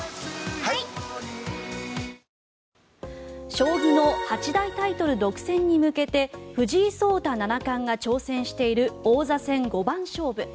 将棋の八大タイトル独占に向けて藤井聡太七冠が挑戦している王座戦五番勝負。